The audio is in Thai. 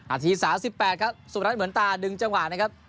อาทิสา๑๘ครับสุพระนัทเหมือนตาดึงเจ้าหวานนะครับ